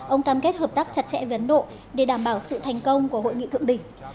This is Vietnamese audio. ông cam kết hợp tác chặt chẽ với ấn độ để đảm bảo sự thành công của hội nghị thượng đỉnh